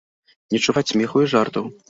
Не чуваць смеху і жартаў.